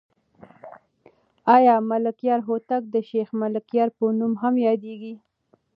آیا ملکیار هوتک د شیخ ملکیار په نوم هم یادېږي؟